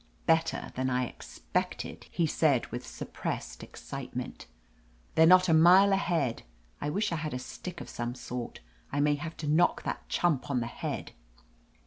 "Better than I expected," he said with sup pressed excitement "They're not a mile ahead. I wish I had a stick of some sort : I may have to knock that chump on the head."